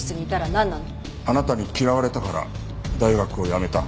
あなたに嫌われたから大学をやめた。